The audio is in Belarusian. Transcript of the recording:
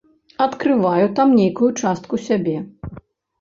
Адкрываю там нейкую частку сябе.